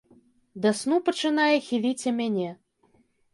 Да сну пачынае хіліць і мяне.